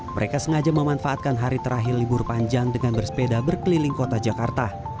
mereka sengaja memanfaatkan hari terakhir libur panjang dengan bersepeda berkeliling kota jakarta